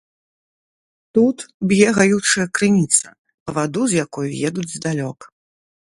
Тут б'е гаючая крыніца, па ваду з якой едуць здалёк.